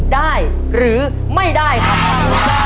ได้หรือไม่ได้ครับ